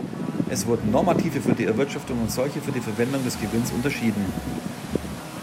Es wurden Normative für die Erwirtschaftung und solche für die Verwendung des Gewinns unterschieden.